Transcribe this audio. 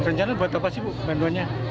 rencana buat apa sih bu bantuannya